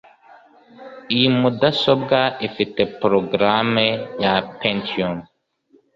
Iyi mudasobwa ifite progaramu ya Pentium.